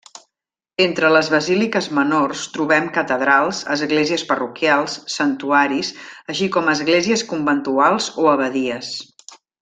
Entre les basíliques menors trobem catedrals, esglésies parroquials, santuaris, així com esglésies conventuals o abadies.